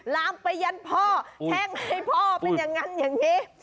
ลามไปยันพ่อแช่งให้พ่อเป็นอย่างนั้นอย่างนี้